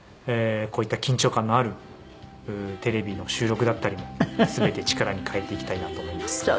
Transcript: こういった緊張感のあるテレビの収録だったりも全て力に変えていきたいなと思います。